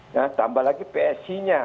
nah tambah lagi psc nya